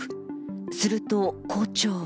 すると校長は。